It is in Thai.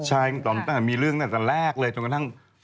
ใช่ตั้งแต่มีเรื่องตั้งแต่แรกเลยจนกระทั่ง